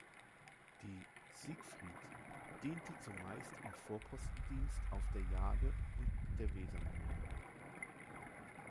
Die "Siegfried" diente zumeist im Vorpostendienst auf der Jade- und der Wesermündung.